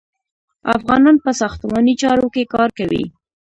افغانان په ساختماني چارو کې کار کوي.